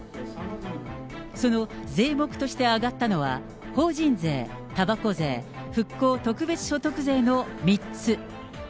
その税目として挙がったのは、法人税、たばこ税、復興特別所得税の３つ。